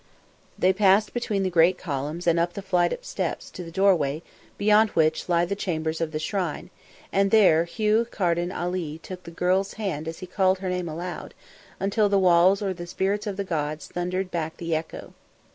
They passed between the great columns and up the flight of steps to the doorway beyond which lie the chambers of the Shrine, and there Hugh Carden Ali took the girl's hand as he called her name aloud, until the walls or the spirits of the gods thundered back the echo.